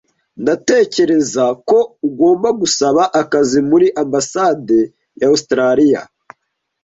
Ndatekereza ko ugomba gusaba akazi muri ambasade ya Ositarariya.